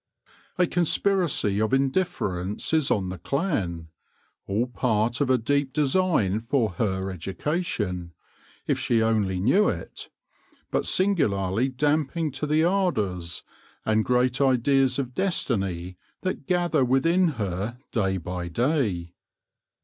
A conspiracy of indifference is on the clan — all part of a deep design for her education, if she only knew it, but singularly damping to the ardours, and great ideas of destiny, that gather within her day by day.